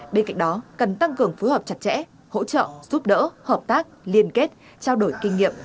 bên cạnh đó cần tăng cường phối hợp chặt chẽ hỗ trợ giúp đỡ hợp tác liên kết trao đổi kinh nghiệm